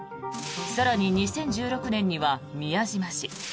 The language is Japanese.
更に２０１６年には宮島氏